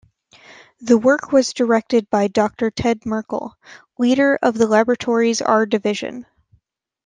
The work was directed by Doctor Ted Merkle, leader of the laboratory's R-Division.